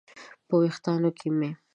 په ویښتانو کې مې